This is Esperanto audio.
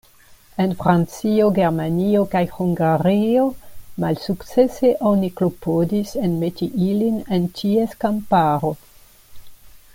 En Francio, Germanio, kaj Hungario malsukcese oni klopodis enmeti ilin en ties kamparo.